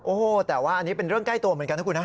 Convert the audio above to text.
โอ้โหแต่ว่าอันนี้เป็นเรื่องใกล้ตัวเหมือนกันนะคุณนะ